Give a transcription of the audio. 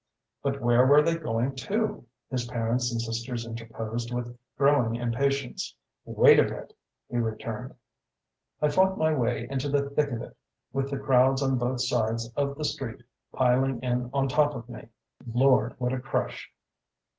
"But where were they going to?" his parents and sisters interposed with growing impatience. "Wait a bit!" he returned. "I fought my way into the thick of it, with the crowds on both sides of the street piling in on top of me. Lord, what a crush!